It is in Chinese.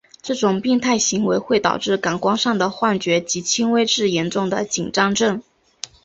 这种病态行为会导致感官上的幻觉及轻微至严重的紧张症。